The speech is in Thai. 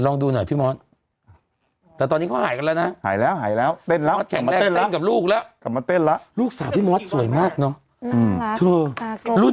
เต้นกับลูกแล้วกลับมาเต้นแล้วลูกสาวพี่มอสสวยมากเนอะอืมรุ่น